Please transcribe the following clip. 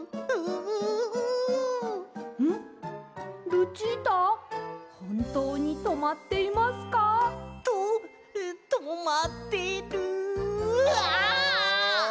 ルチータほんとうにとまっていますか？ととまってるああ！